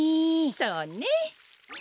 そうね。